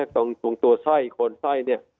ตรงตัวสร้อยโคนสร้อยเนี่ย